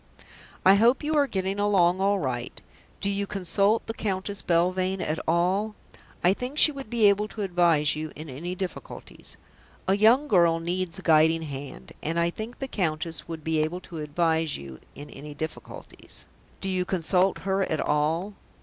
"I hope you are getting along all right. Do you consult the Countess Belvane at all? I think she would be able to advise you in any difficulties. A young girl needs a guiding hand, and I think the Countess would be able to advise you in any difficulties. Do you consult her at all?